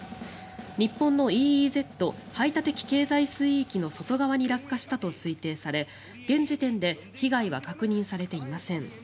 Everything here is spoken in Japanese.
日本のＥＥＺ・排他的経済水域の外側に落下したと推定され現時点で被害は確認されていません。